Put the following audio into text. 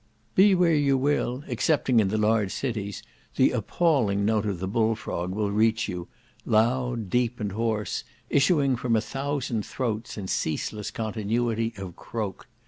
Be where you will (excepting in the large cities) the appalling note of the bull frog will reach you, loud, deep, and hoarse, issuing from a thousand throats in ceaseless continuity of croak.